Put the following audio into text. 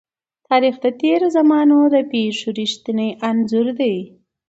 تاریخ د تېرو زمانو د پېښو رښتينی انځور دی.